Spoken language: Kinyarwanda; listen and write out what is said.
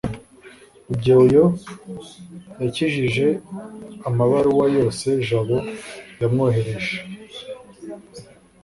rugeyo yakijije amabaruwa yose jabo yamwoherereje